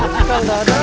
hah kang dadang